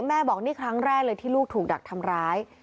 บอกนี่ครั้งแรกเลยที่ลูกถูกดักทำร้าย